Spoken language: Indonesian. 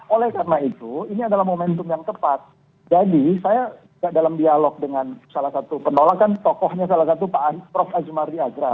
oleh karena itu ini adalah momentum yang tepat jadi saya dalam dialog dengan salah satu penolakan tokohnya salah satu pak prof azumardi agra